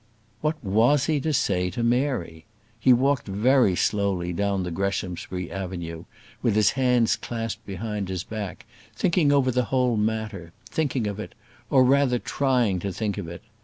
What was he to say to Mary? He walked very slowly down the Greshamsbury avenue, with his hands clasped behind his back, thinking over the whole matter; thinking of it, or rather trying to think of it.